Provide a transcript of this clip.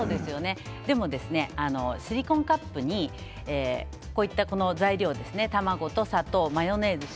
でもシリコンカップに材料卵と砂糖、マヨネーズ、塩